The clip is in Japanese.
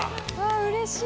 うれしい！